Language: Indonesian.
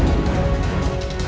dan mencari radin